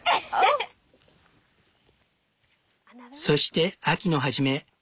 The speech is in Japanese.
そして秋の初め。